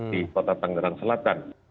di kota tangerang selatan